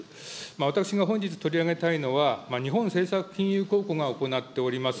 私が本日取り上げたいのは、日本政策金融公庫が行っております